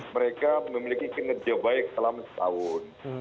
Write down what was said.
mereka memiliki kinerja baik selama setahun